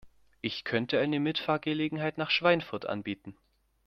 Ich könnte eine Mitfahrgelegenheit nach Schweinfurt anbieten